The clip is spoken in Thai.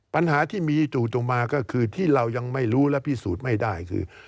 ปัญหาที่มีจู่ตรงมาก็คือที่เรายังไม่รู้และพิสูจน์ไม่ได้คือ